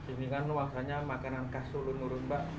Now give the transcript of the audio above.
ini kan waksanya makanan kasul nurun pak